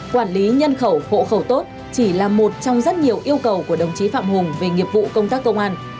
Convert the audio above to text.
quản lý nhân khẩu hộ khẩu tốt chỉ là một trong rất nhiều yêu cầu của đồng chí phạm hùng về nghiệp vụ công tác công an